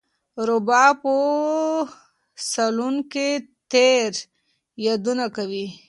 رابعه په صالون کې تېر یادونه کوي.